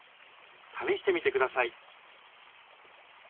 試してみてください。